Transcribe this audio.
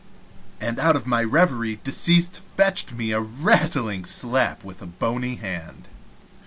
and out of my reverie deceased fetched me a rattling slap with a bony hand.